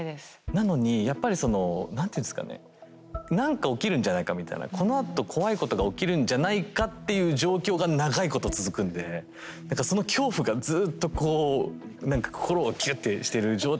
なのにやっぱりその何ていうんですかね何か起きるんじゃないかみたいなこのあと怖いことが起きるんじゃないかっていう状況が長いこと続くんで何かその恐怖がずっとこう何か心をギュッてしてる状態のまま。